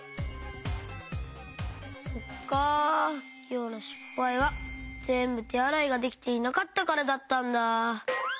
きょうのしっぱいはぜんぶてあらいができていなかったからだったんだ。